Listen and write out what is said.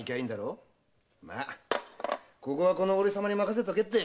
ここはこの俺様に任せておけって。